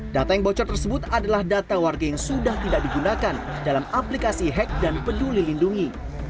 data yang bocor tersebut adalah data warga yang sudah tidak digunakan dalam aplikasi e hack dan peduli lindungi